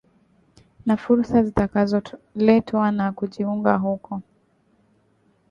na fursa zitakazoletwa na kujiunga huko